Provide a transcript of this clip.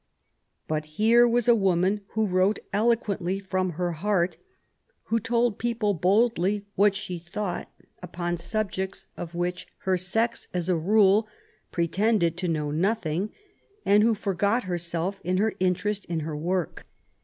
But here was a woman who wrote eloquently from her heart, who told people boldly what she thought upon subjects of which 102 MAEY WOLLSTONECBAFT GODWIN. her sex^ as a role, pretended to know nothing, and who forgot herself in her inteilest in her work.